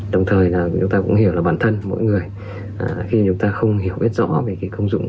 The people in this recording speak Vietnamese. đồng thời là chúng ta cũng hiểu là bản thân mỗi người khi chúng ta không hiểu biết rõ về cái công dụng